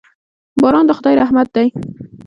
باران د خدای رحمت دی.